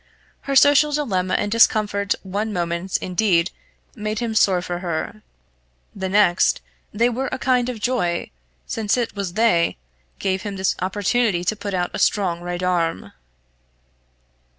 Her social dilemma and discomfort one moment, indeed, made him sore for her; the next, they were a kind of joy, since it was they gave him this opportunity to put out a strong right arm.